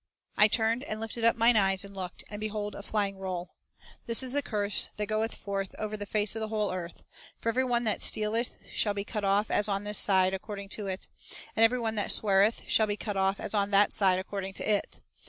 "* "I turned, and lifted up mine eyes, and looked, and behold a flying roll. ... This is the curse a witness t i ia t rroeth forth over the face of the whole earth; for Never silenced every one that stealeth shall be cut off as on this side according to it; and every one that sweareth shall be cut off as on that side according to it.